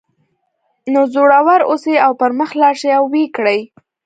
نو زړور اوسئ او پر مخ لاړ شئ او ویې کړئ